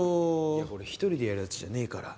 これ１人でやるやつじゃねぇから。